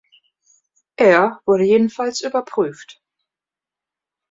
Er wurde jedenfalls überprüft.